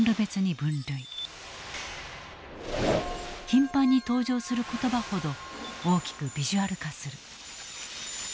頻繁に登場する言葉ほど大きくビジュアル化する。